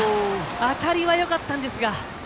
当たりはよかったんですが。